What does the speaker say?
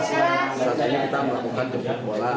saat ini kita melakukan jemput bola